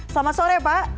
selamat sore pak